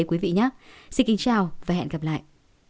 xin kính chào và hẹn gặp lại